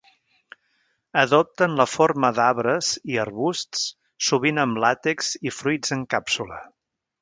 Adopten la forma d'arbres i arbusts sovint amb làtex i fruits en càpsula.